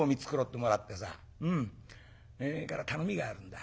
それから頼みがあるんだ。